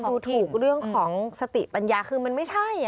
ดูถูกเรื่องของสติปัญญาคือมันไม่ใช่